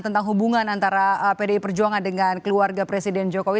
tentang hubungan antara pdi perjuangan dengan keluarga presiden jokowi